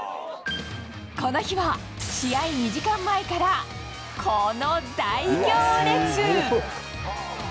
この日は、試合２時間前からこの大行列。